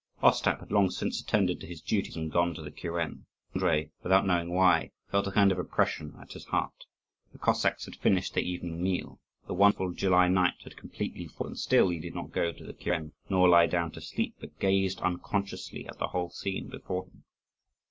Ostap had long since attended to his duties and gone to the kuren. Andrii, without knowing why, felt a kind of oppression at his heart. The Cossacks had finished their evening meal; the wonderful July night had completely fallen; still he did not go to the kuren, nor lie down to sleep, but gazed unconsciously at the whole scene before him.